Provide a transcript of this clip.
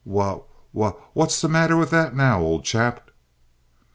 "Wha wha what's the matter with that now, old chap?